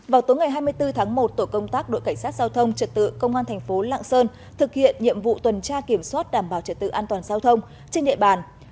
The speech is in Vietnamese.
vào tối ngày hai mươi bốn tháng một tổ công tác đội cảnh sát giao thông trật tự công an thành phố lạng sơn thực hiện nhiệm vụ tuần tra kiểm soát đảm bảo trật tự an toàn giao thông trên địa bàn